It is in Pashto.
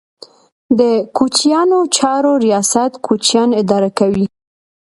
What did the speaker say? د کوچیانو چارو ریاست کوچیان اداره کوي